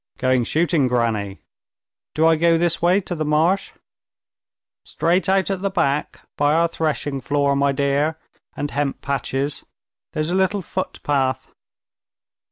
"Going shooting, granny. Do I go this way to the marsh?" "Straight out at the back; by our threshing floor, my dear, and hemp patches; there's a little footpath."